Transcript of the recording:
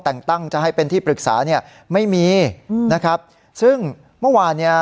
แต่งตั้งจะให้เป็นที่ปรึกษาเนี่ยไม่มีอืมนะครับซึ่งเมื่อวานเนี่ย